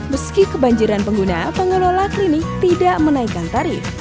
meski kebanjiran pengguna pengelola klinik tidak menaikkan tarif